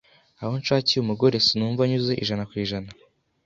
aho nshakiye umugore sinumva anyuze ijana kwijana